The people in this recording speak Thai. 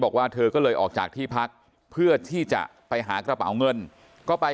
บอกว่าเธอก็เลยออกจากที่พักเพื่อที่จะไปหากระเป๋าเงินก็ไป